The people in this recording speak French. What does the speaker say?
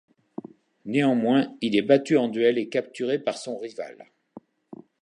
Néanmoins, il est battu en duel et capturé par son rival.